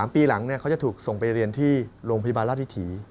ปีหลังเขาจะถูกส่งไปเรียนที่โรงพยาบาลราชวิถี